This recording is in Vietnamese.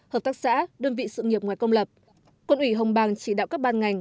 hợp tác xã đơn vị sự nghiệp ngoài công lập quân ủy hồng bang chỉ đạo các ban ngành